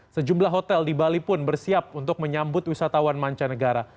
sejumlah hotel di bali pun bersiap untuk menyambut wisatawan mancanegara